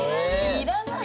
要らない。